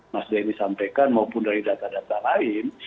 mas denny sampaikan maupun dari data data lain